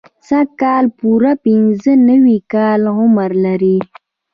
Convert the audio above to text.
سږ کال پوره پنځه نوي کاله عمر لري.